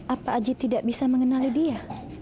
apa aji tidak bisa mengenali dia